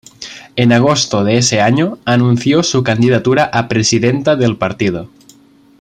En agosto de ese año anunció su candidatura a presidenta del partido.